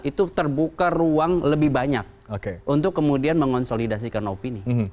itu terbuka ruang lebih banyak untuk kemudian mengonsolidasikan opini